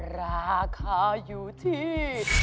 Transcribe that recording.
ราคาอยู่ที่